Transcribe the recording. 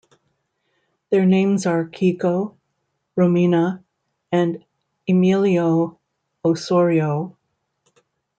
Their names are Kiko, Romina, and Emilio Osorio.